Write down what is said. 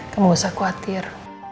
kamu gak usah khawatir